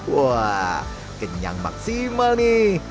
wah kenyang maksimal nih